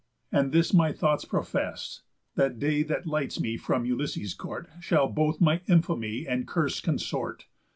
And this my thoughts profess: That day that lights me from Ulysses' court Shall both my infamy and curse consort.